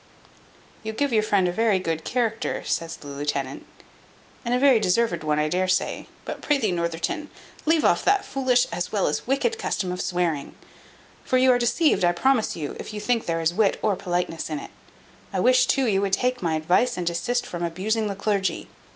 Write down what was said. "You give your friend a very good character," said the lieutenant, "and a very deserved one, I dare say. But prithee, Northerton, leave off that foolish as well as wicked custom of swearing; for you are deceived, I promise you, if you think there is wit or politeness in it. I wish, too, you would take my advice, and desist from abusing the clergy.